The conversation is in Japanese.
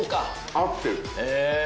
合ってる。